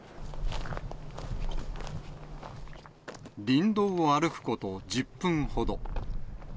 林道を歩くこと１０分ほど。